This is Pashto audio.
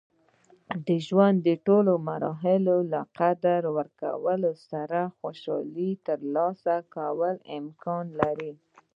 د ژوند د ټول مراحل له قدر کولو سره خوشحالي ترلاسه کول امکان لري.